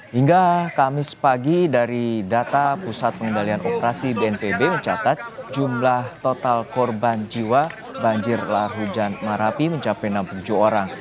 hingga kamis pagi dari data pusat pengendalian operasi bnpb mencatat jumlah total korban jiwa banjir lahar hujan marapi mencapai enam puluh tujuh orang